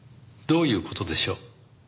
どういう事でしょう？